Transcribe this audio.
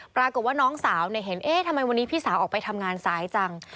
ปรากฏว่าน้องสาวเห็นเอ๊ะทำไมวันนี้พี่สาวออกไปทำงานสายจัง